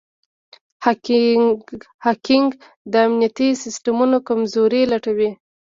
هیکنګ د امنیتي سیسټمونو کمزورۍ لټوي.